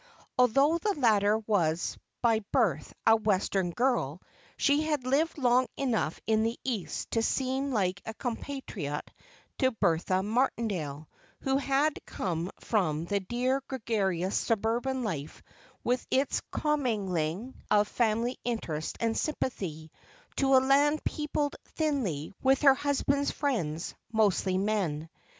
Although the latter was by birth a Western girl she had lived long enough in the East to seem like a compatriot to Bertha Martindale, who had come from the dear gregarious suburban life with its commingling of family interests and sympathy, to a land peopled thinly with her husband's friends, mostly men.